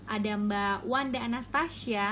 ada mbak wanda anastasia